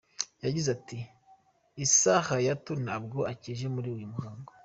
Yagize ati “Issa Hayatou ntabwo akije muri uyu muhango.